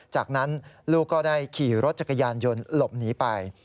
จากนั้นลูกก็ได้ขี่รถจักรยานยนต์หลบหนีไป